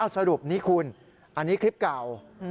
สรุปนี้คุณอันนี้คลิปเก่า